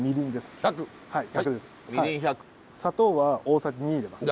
砂糖は大さじ２入れます。